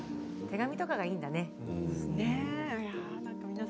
手紙がいいんだね。